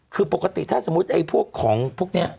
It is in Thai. คือปกติถ้าพวกของพวกนี้